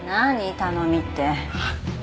頼みって。